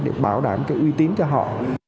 để bảo đảm cái uy tín cho họ